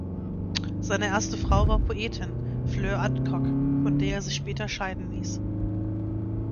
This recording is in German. Seine erste Frau war Poetin, Fleur Adcock, von der er sich später scheiden ließ.